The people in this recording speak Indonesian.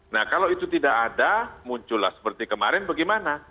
nah kalau itu tidak ada muncullah seperti kemarin bagaimana